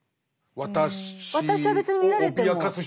私は別に見られても。